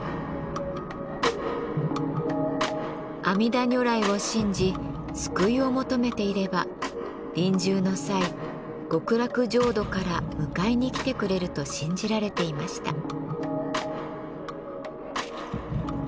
阿弥陀如来を信じ救いを求めていれば臨終の際極楽浄土から迎えに来てくれると信じられていました。